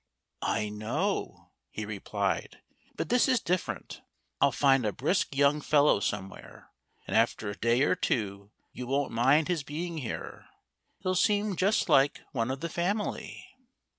"I know " he replied "but this is different. I'll find a brisk young fellow somewhere. And after a day or two you won't mind his being here. He'll seem just like one of the family."